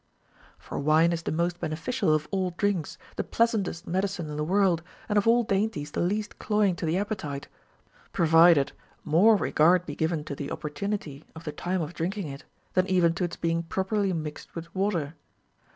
For wine is the most beneficial of all drinks, the pleas antest medicine in the world, and of all dainties the least cloying to the appetite, provided more regard be given to the opportunity of the time of drinking it than even to its being properly mixed with water.